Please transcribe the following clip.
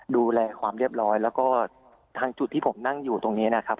ดูแลความเรียบร้อยแล้วก็ทางจุดที่ผมนั่งอยู่ตรงนี้นะครับ